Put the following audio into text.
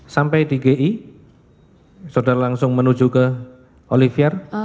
sampai di gi saudara langsung menuju ke olivier